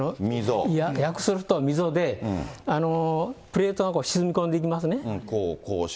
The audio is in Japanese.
訳すると溝で、プレートがこう沈み込んでいきますね。